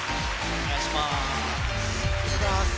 お願いします。